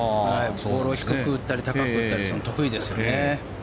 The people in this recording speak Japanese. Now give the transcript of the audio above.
ボールを低く打ったり高く打ったりするのが得意ですよね。